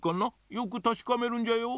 よくたしかめるんじゃよ。